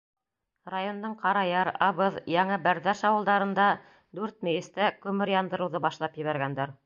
Райондың Ҡараяр, Абыҙ, Яңы Бәрҙәш ауылдарында дүрт мейестә күмер яндырыуҙы башлап ебәргәндәр.